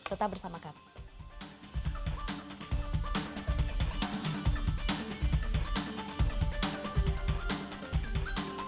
tetap bersama kami